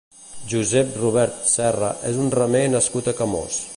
Josép Robert Serra és un remer nascut a Camós.